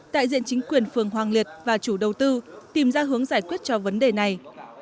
đại diện chính quyền phường hoàng liệt và chủ đầu tư tìm ra hướng giải quyết cho vấn đề này